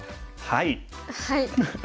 はい。